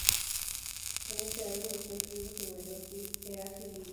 En este álbum está incluido su mayor hit, "Easy Livin'".